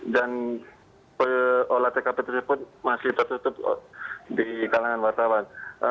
dan olah tkp tersebut masih tertutup di kalangan wartawan